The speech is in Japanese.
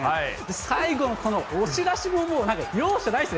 最後のこの押し出しももう、なんか、容赦ないですね。